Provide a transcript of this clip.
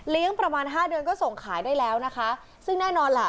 ประมาณห้าเดือนก็ส่งขายได้แล้วนะคะซึ่งแน่นอนล่ะ